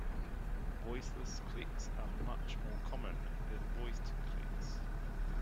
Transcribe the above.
Voiceless clicks are much more common than voiced clicks.